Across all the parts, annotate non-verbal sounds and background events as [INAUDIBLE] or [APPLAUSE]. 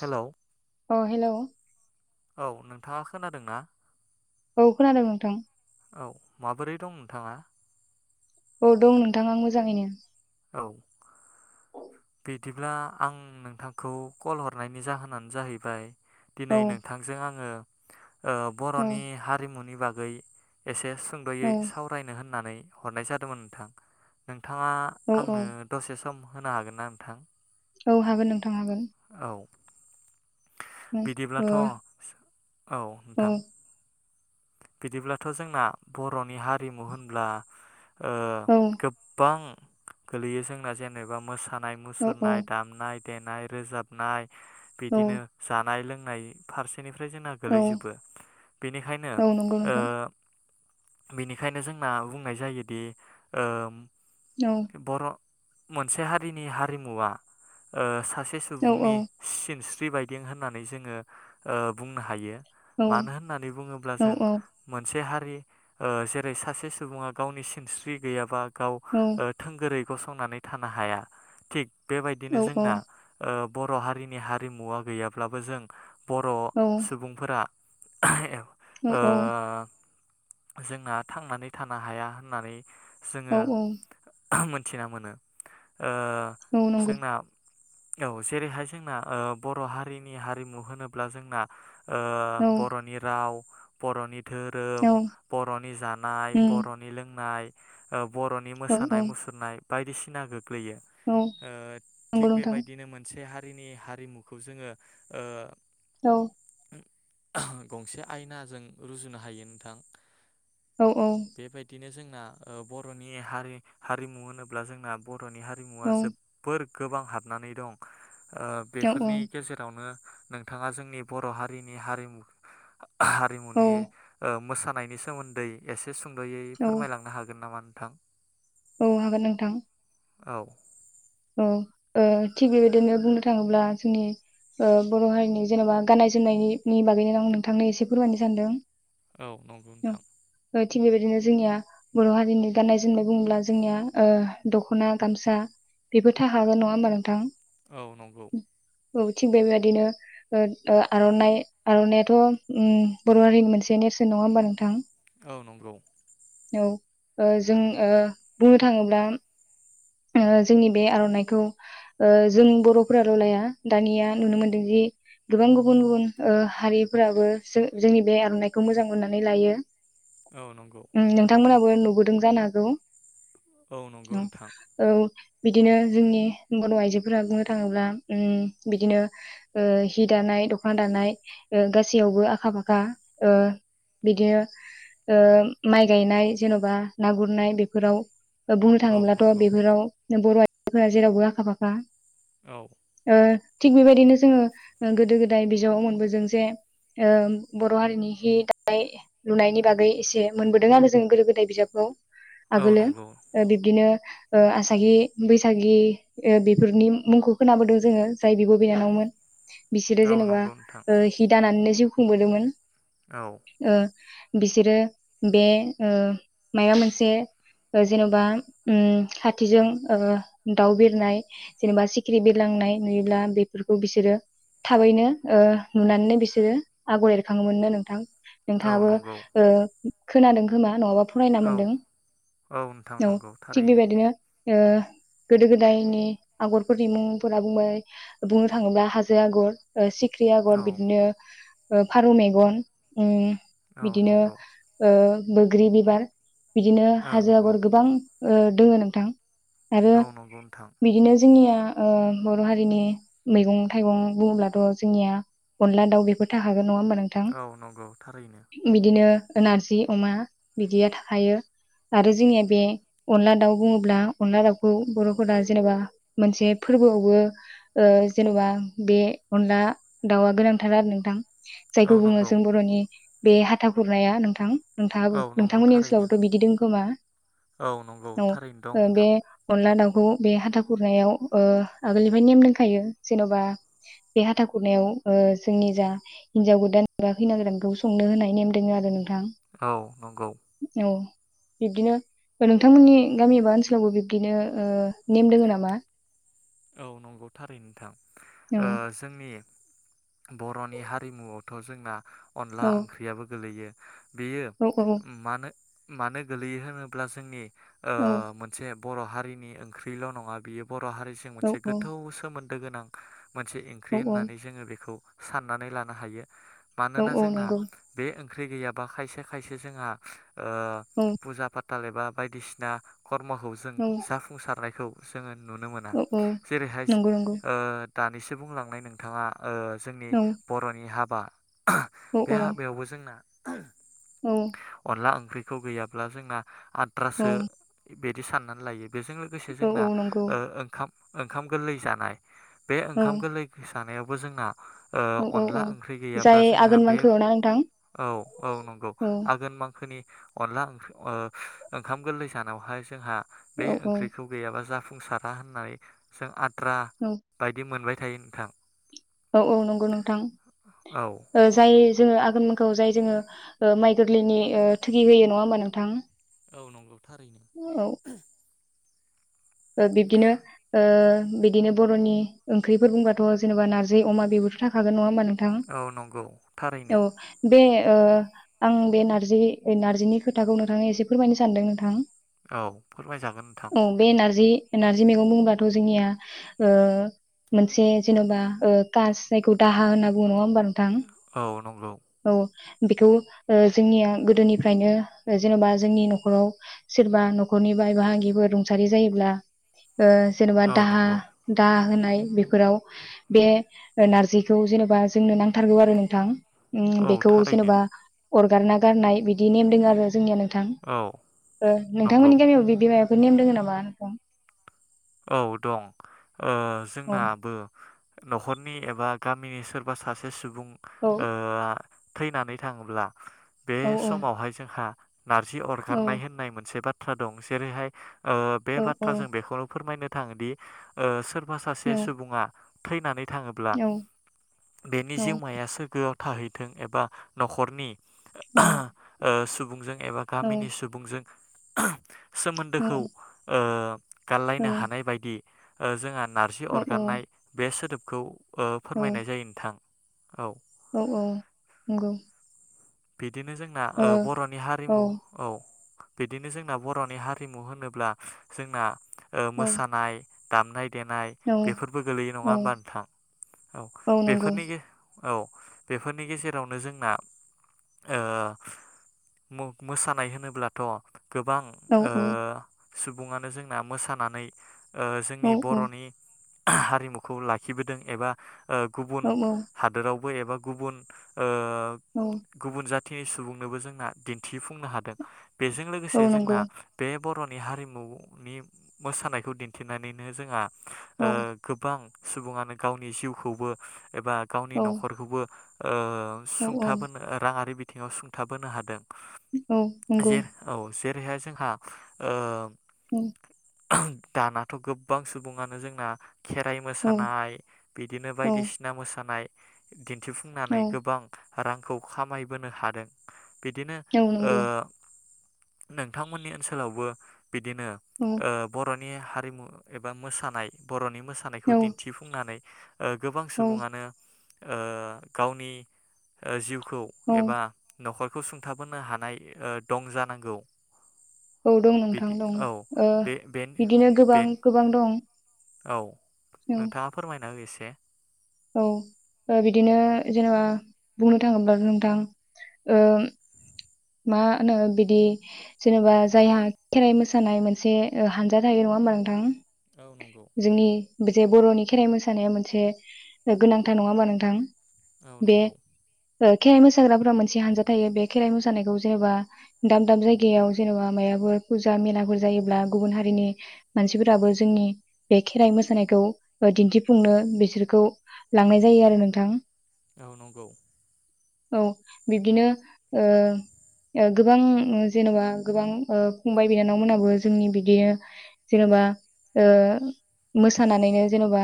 Hello अ hello औ नोंथांङा खोनादों ना? औ खोनादों नोंथां। औ माबोरै दं नोंथांङा? औ दं नोंथां आं मोजांङैनो औ बिदिब्ला आं नोंथांखौ कल हरनायनि जाहोनानो जाहैबाय औ दिनै नोंथांजों आंङो ओ औ बर'नि हारिमुनि बा गै एसेस औ सुंदयै सावरायनो होननानै हरनाय जादोंमोन नोंथां। नों थांङा औ औ आंनो दसे सम होनो हागोन ना? थां औ हागोन नों थां हागोन। उम, ओ बिदिब्लाथ' औ औ नोंथां। बिदिब्लाथ' जोंना बर'नि हारिमु होनब्ला ओ औ गोब बां गोलैयो जोंना जेनेबा मोसा नाय मुसुरनाय दामनाय देनाय रोजाबनाय औ बिदिनो जानाय लों नाय फारस निफ्राय नो जोंना औ गोलैजोबो बेनिखायनो औ नंगौ ओ नोंथां। बेनिखायनो जोंना बुंनाय जायोदि ओम औ बर' मोनसे हारिनि हारिमुवा औ सा से औ औ सुबुंनि सिनस बि बाइदिं होननानै जोंङो ओ बुंनो हायो। औ मानो होननानै बुंङोब्ला औ जों औ मोनसे हा रि ओ जेरै सासे सुबुङा गावनि सिनस्रि गैयाबा गाव ओ थोंगोरै गसंनानै थानो हाया थिग औ बेबायदिनो औ जोंना ओ बर' हारिनि हारिमुवा गैयाब्लाबो जों बर' सुबुंफोरा एबा औ औ जोंना थांनानै थानो हाया होननानै जोङो औ औ मोनथिना मोनो ओ औ नंगौ जोंना औ जेरैहाय जोंना ओ बर' हारिनि हारिमु होनोब्ला जोंना ओ औ बर'नि राव बरनि धोरोम बर'नि जानाय उम बर'नि लोंनाय ओब बर'नि औ औ मोसानाय मुसुरनाय बायदिसिना गोग लैयो औ नंगौ थिग नोंथां बेबायदिनो मोनसे हारिनि हारिमुखौ जोङो ओ औ गंसे आयना जों रुजुनो हायो नोंथां औ औ औ बेबायदिनो जों ना बर'नि हारि हारिमु होनोब्ला जोंना बर बर'नि हारिमुवा जोबोर गोबां हाबनानै दं ओ बेफोरनि गेजेरावनो नोंथाङा जोंनि बर' हारिनि हारिमु हारि औ नि मोसान नायनि सोमोन्दै एस से सुंद'यै फोरमायलांनो हागोन नामा न थां औ हागोन नोंथां औ अ ओ थिग बेबायदिनो बुंनो थाङोब्ला जोंनि बर' हारिनि जेनेबा गाननाय जोमनायनि बागैनो आं नोंथांनो एसे फोरमायनो सानदों औ नंगौ नोंथां ओ थिग बेबायदिनो जोंनिया बर' हारिनि गान्नाय जोमनाय बुङोब्ला जोंनिया ओ दखना गामसा बेबो था हागोन नङा होमबा नोंथां औ नंगौ औ थिग बे बेबायदिनो ओ आरनाइ आरनाइाथ उम बर हारिनि मोनसे नेरसोन नङा होमबा नोंथां औ नंगौ ओ जोंओ बुंनो थाङोब्ला ओ जोंनि बे आरनाइखौ ओ जों बरफोराल लाया दानिया नुनो मोनदों जि गोबां गुबुन गुबुन ओ हारिफोराबो जोंनि बे आरनाइखौ मोजां मोननानै लायो। औ नंगौ बो नुबोदों जानो हागौ औ नंगौ नोंथां औ बिदिनो जोंनि बर आइजोफोरा बुंनो थाङोब्ला उम बिदिनो ओ हि दानाय, दखना दानाय ओ गासैयावबो आखा फाखा ओ बिदिनो ओ माइ गायनाय जेनबा ना गुरनाय बेफोराव बुंनो औ थाङोब्लाथ नंगौ बर‌ आइजोफोरा जेरावबो आखा फाखा औ ओ थिग बेबायदिनो जोङो गोदो गोदाय बिजाबाव मोनबोदों जे ओ बर हारिनि हि दानाय लुनायनि बागै एसे मोनबोदों आरो जोङो गोदो गोदाय बिजाबखौ औ आगोलो नंगौ बिब्दिनो ओ आसागि बैसागि ओ बेफोरनि मुंखौ खोनाबोदों जोङो जाय बिब बिनानावमोन बिसोरो औ जेनेबा नंगौ नोंथां ओ हि दानानैनो जिउ खुंबोदोंमोन औ ओ बिसोरो बे ओ माया मोनसे ओ जेनबा उम खाथिजों ओ दाउ बिरनाय जेनेबा सिखिरि बिरलांनाय नुयोब्ला बेफोरखौ बिसोरो थाबैनो ओ नुनानैनो बिसोरो आगर एरखाङोमोननो नोंथां। औ नोंथाङाबो नंगौ ओ खोनादों खोमा नङाबो औ औ औ नोंथांनंगौ थिग थारैनो बेबायदिनो ओ गोदो गोदायनि आगरफोरनि मुंफोरा बुंबाय बुंनो थाङोब्ला हाजो आगर सिख्रि आगर औ बिदिनो फारौ मेगन उम औ बिदिनो नंगौ ओ बोग्रि बिबार बिदिनो औ हाजो नंगौ आगर गोबां ओ दोङो नोंथां आरो औ नंगौ नोंथां बिदिनो जोंनिया ओ बर हारिनि मैगं थाइगं बुङोब्लाथ जोंनिया अनला दाउ बेफोर थाखागोन नङा होमबा नोंथां औ नंगौ थारैनो बिदिनो नारजि अमा बिदिया थाखायो आरो जोंनिया बे अनला दाउ बुङोब्ला अनला दाउखौ बरफोरा जेनबा मोनसे फोरबोआवबो ओ जेनबा बे अनला दाउआ गोनांथार आरो नोंथां औ जायखौ बुङो नंगौ जों बरनि बे हाथा खुरनाया नोंथां नोंथांबो औ नंगौ नोंथांमोननि थारैनो ओनसोलावथ बिदि दं खोमा औ नंगौ औ थारैनो दं ओ बे नोंथां। अनला दाउ खौ बे हाथा खुरनायाव ओ आगोलनिफ्राय नेम दंखायो जेनबा बे हाथा खुरनायाव ओ जोंनि जा हिनजाव गोदान खैना गोदानखौ संनो होनाय नेम दङ आरो नोंथां औ नंगौ औ बिब्दिनो नोंथांमोननि गामि एबा ओनसोलावबो बिब्दिनो ओ नेम दोङो नामा औ नंगौ थारै नोंथां औ ओ जोंनि बरनि हारिमुआवथ जोंना अनला औ ओंख्रियाबो गोलैयो बेयो औ औ मानो मानो गोलैयो होनोब्ला जोंनि ओ मोनसे बर हारिनि ओंख्रिल नङा बियो बर हारि औ मोनसे गोथौ सोमोन दो गोनां मोनसे ओंख्रि औ औ होननानै जोङो बेखौ साननानै लानो हायो औ मानोना औ जोंना नंगौ बे ओंख्रि गैयाबा खायसे खायसे जोंहा ओ औ फुजा फा थाल एबा बायदिसिना खर्मखौ जों औ जाफुंसारनायखौ जोङो नुनो मोना औ औ जेरैहाय नंगौ नंगौ ओ दानिसो बुंलांनाय नोंथाङा ओ जोंनि औ बरनि हा बा औ बे हाबायावबो जोंना औ [INAUDIBLE] अनला ओंख्रि खौ गैयाब्ला जोंना आद्रासो बिदि साननानै लायो। बेजों लोगोसे औ जोंना औ नंगौ ओ ओंखाम ओंखाम गोरलै जानाय बे औ ओंखाम गोरलै स जानायावबो जोंना ओ औ औ अनला औ ओंख्रि गैयाब्ला जाय जोंहा आघोन बे मांखोआव ना नोंथां औ औ नंगौ औ आघोन मांखोनि अनला ओंख्रि ओ ओंखाम गोरलै जानायावहाय जोंहा बे औ ओंख्रिखौ गैयाबा जाफ फुंसारा होननाय जों आद रा बायदि मोनबाय थायो नोंथां औ औ नंगौ नोंथां औ ओ जाय जोङो आघोन मांघोआव जाय जोङो ओ माइ गोरलैनि थोगि होयो नङा होमबा नोंथां? औ नंगौ। थारैनो। औ ओ बिब्दिनो ओ बिदिनो बर'नि ओंख्रिफोर बुंबाथ' जेनेबा नारजि अमा बेबोथ' थाखागोन नङा होमबा नों औ नंगौ थारैनो बे ओ आं बे नारजि नारजिनि खोथाखौ नोंथांनो एसे फोरमायनो सानदों नोंथां औ फोरमायजागोन नोंथां जि नारजि मेगं बुङोबाथ जोंनिया ओ मोनसे जेनबा ओ कास जायखो दाहा होनना बुङो नङा होनबा नोंथां औ नंगौ औ बेखौ ओ जोंनिया गोदोनिफ्रायनो जेन'बा जोंनि न'खराव सोरबा न'खरनि बाय बाहागिफोर रुंसारि जायो। ब्ला ओ जेन'बा औ दाहा नंगौ दा होनाय बेफोराव बे नारजिखौ जेन'बा जोंनो नांथारगौ आरो नोंथां उम औ बेखौ थारैनो जेनेबा अरगारना गारनाय बिदि नेमदों आरो जोंनियानो थां औ ओ नंगौ नोंथांमोननि गामियाव बिदिमाया बे नेम दोङो नामा [UNINTELLIGIBLE] औ दं ओ जोंनाबो न'खरनि एबा गामिनि सोरबा सासे सुबुं बुं औ ओ थैनानै थाङोब्ला बे औ समावहाय जोंहा नारजि औ अरगारनाय होननाय मोनसे बाथ्रा बाथ्रा दं जेरैहाय ओ बे औ बाथ्रा जों बेखौल' फोरमायनो थाङोदि ओ सोर सोरबा औ सासे सुबुङा थैनानै थाङोब्ला बेनि औ जिउमाया सोरगोआव थाहैथों एबा न'खरनि ओ औ सुबुं सुबुंजों एबा गामिनि सुबुंजों [INAUDIBLE] औ सोमोन्दोखौ ओ गारलायनो हानाय बायदि ओ जोंहानो नारजि औ नंगौ अरगारनाय बे सोदोब खौ ओ ओ फोरमायनाय जायो नोंथां औ औ औ नंगौ बिदिनो जोंना ओ बर'नि हारिमु औ बिदिनो जोंना बर'नि हारिमु होनोब्ला जोंना ओ औ मोसानाय दामनाय देनाय बेफोरबो गोलैयो नङा होमबा नोंथां औ बेफोरनि औ बेफोरनि गेजेरावनो जोंना मोसानाय होनोब्लाथ' गोबां औ ओ औ औ सुबुङानो जों मोसानानै ओ जोंनि बर'नि हारिमुखौ लाखिबोदों एबा औ गुबुन हादोराव एबा गुबुन औ औ गुबुन जाथि सुबुंनोबो जोंना दिन्थिफुंनो हादों बेजों औ लोगोसे जोंना नंगौ बे बर'नि हारिमु नि मोसानायखौ दिन्थिनानैनो जोंहा औ ओ गोबां सुबुङानो गावनि जिउखौबो एबा गावनि औ न'खरखौबो ओ औ औ सुंथाबोनो राङारि बि आथिङाव सुंथाबोनो हादों औ नंगौ। ओरैहाय जोंहा उम। दानाथ' गोबां सुबुङानो जोंना खेराइ औ मोसानाय बिदिनो औ बायदिसिना मोसानाय [INAUDIBLE] औ दिन्थिफुंनानै गोबां रांखौ खामायबोनो हादों बिदिनो औ नंगौ नोंथांमोननि ओनसोलावबो बिदिनो औ बर'नि ओ नि हारिमु एबा मोसानाय बर'नि मोसानायखौ दिन्थिफुंनानै गोबां औ सुबुङानो ओ गावनि जिउ खौ औ एबा न'खर बेखौ सुंथाबोनो हानाय दं जानांगौ औ दं नोंथां बिदि दं औ ओ बे बेन बिदिनो गोबां बेन गोबां दं औ औ नोंथाङा फोरमायना हो एसे से औ बिदिनो जेनेबा मा होनो बिदि जेनेबा जायहा खेराइ मोसानाय मोनसे हानजा थायो नङा होनबा औ नंगौ नोंथां जोंनि बिदि बरनि खेराइ मोसानाया मोनसे गोनांथार नङा होनोमा नोंथां। औ बे नंगौ ओ खेराइ मोसाग्राफोरा मोनसे हानजा थायो बे खेराइ मोसानायखौ जेनेबा दाब दाब जायगायाव जेनेबा मायफोर फुजा मेलाफोर जायोब्ला गुबुन हारिनि मानसिफोराबो जोंनि बे खेराइ मोसानायखौ दिन्थिफुंनो बिसोरखौ लांनाय जायो आरो नोंथां। औ नंगौ औ बिब्दिनो ओ गोबां जेनबा गोबां ओ फंबाय बिनानावमोनाबो जोंनि बिदिनो जेनेबा ओ मोसानानैनो जेनबा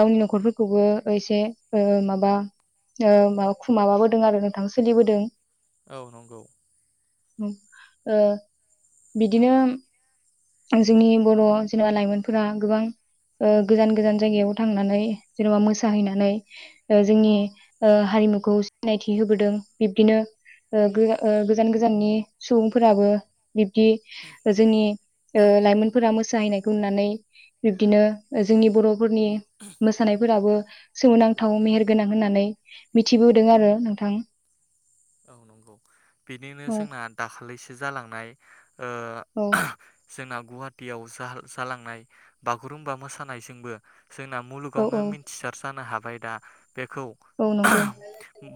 गावनि नखरफोरखौबो एसे माबा मा माबाबोदों आरो नोंथां सोलिबोदों। औ नंगौ ओ बिदिनो जोंनि बर जेनोबा लायमोनफोरा गोबां ओ गोजान गोजान जायगायाव थांनानै जेनबा मोसा हैनानै ओ हारिमुखौ सिनायथि होबोदों बिबदिनो ओ गो आ ओ गोजान गोजाननि सुबुंफोराबो बिब्दि जोंनि लाइमोनफोरा मोसा जाहैनायखौ नुनानै बिब्दिनो जोंनि बर फोरनि मोसानाय फोराबो सोमोनांथाव मेहेर गोनां होननानै मिथिबोदों आरो नोंथां। औ नंगौ औ बिदिनो औ जोंना दाखालिसो जालांनाय। ओ औ जोंना गुवाहाटियाव जालांनाय बागुरुमबा मोसानायजोंबो। जोंना औ मुलुगावनो औ मिथिसार जानो हाग ओफ्राय दा बेखौ औ नंगौ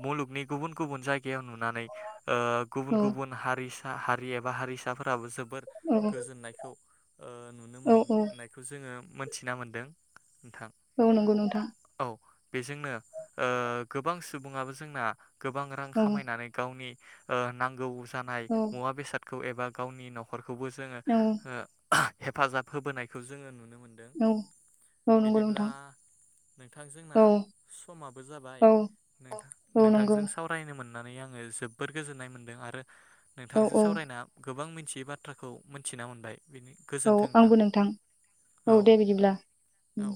मुलुगनि गुबुन गुबन जाय गायावनो नुनानै ओ गुबुन औ गुबुन हारि हारि एबा हारिसाफोराबो जोब जोबोर औ गोजोननायखौ ओ नुनो औ औ मोननायखौ जोङो मोनथिना मोनदों। नोंथां औ नंगौ नोंथां। औ बेजोंनो ओ गोबां सुबुङाबो जोंना गोबां रां औ खामायनानै गावनि ओ नांगौ जानाय औ मुवा बेसाद खौ एबा गावनि नखर खौबो जोङो औ हो हेफाजाब होबोनायखौ जोङो नुनो मोनदों। औ औ नंगौ बिदिब्ला नोंथां नोंथां जोड़ना औ समाबो जाबाय औ औ नंगौ नों-नोंथांजों सावरायनो मोन नानै आङो जोबबोर गोजोननाय मोन्दों आरो औ नोंथांजों औ सावरायना गोबां मि थियि बाथ्राखौ मोनथिना मोनबाय। बेनि औ गोजोन्थों आंबो नोंथां औ दे बिदिब्ला औ